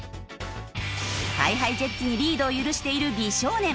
ＨｉＨｉＪｅｔｓにリードを許している美少年。